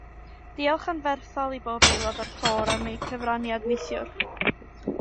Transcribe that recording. Diolch anferthol i bob aelod o'r côr am eu cyfraniad neithiwr